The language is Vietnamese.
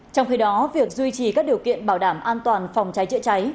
trong khi đó việc duy trì các điều kiện bảo đảm an toàn phòng cháy chữa cháy